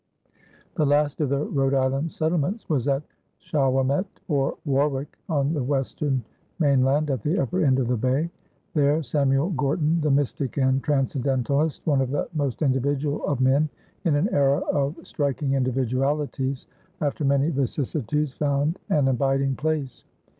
The last of the Rhode Island settlements was at Shawomet, or Warwick, on the western mainland at the upper end of the Bay. There Samuel Gorton, the mystic and transcendentalist, one of the most individual of men in an era of striking individualities, after many vicissitudes found an abiding place.